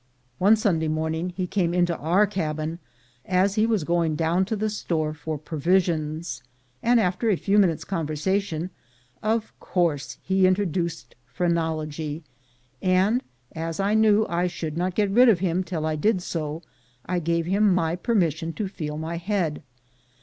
One Sunday morning he came into our cabin as he was going down to the store for provisions, and after a few minutes' conversation, of course he introduced phrenology; and as I knew I should not get rid of him till I did so, I gave him my permission to feel my head.